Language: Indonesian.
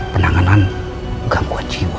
penanganan gangguan jiwa